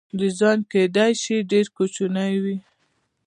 ډیزاین کیدای شي ډیر کوچنی وي.